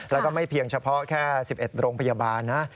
แล้วก็ไม่เพียงเฉพาะแค่๑๑โรงพยาบาลนะ